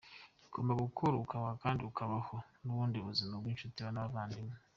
Ugomba gukora ukabaho kandi ukabaho n’ubuni buzima bw’inshuti n’abavandimwe.